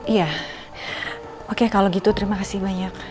iya oke kalau gitu terima kasih banyak